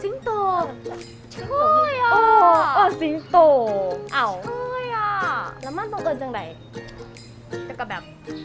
เอออ่าสิงตูเอ้าใช่อ่าแล้วมันต้องเอาเงินจังไหม